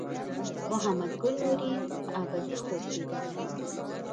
محمد ګل نوري په ابدي خوب بیده دی.